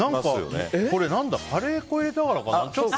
これ、カレー粉入れたからかな。